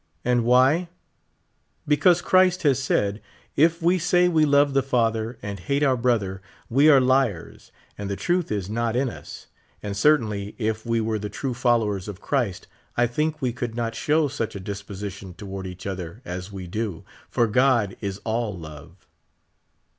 And why ? Because Christ has said if we say we love the Father and hate our brother, we are liars, and the truth is not in us ; and certainly if we were the true followers of Christ, I think we could not show such a disposition toward each other as wedo, for God is all love.